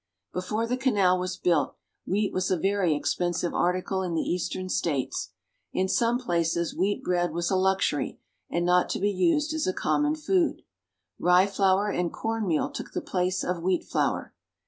Before the canal was built, wheat was a very expensive article in the eastern states. In some places wheat bread was a luxury, and not to be used as a common food. Rye flour and corn meal took the place of wheat flour.